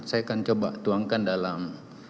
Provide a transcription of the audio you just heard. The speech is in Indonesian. saya akan coba tuangkan dalam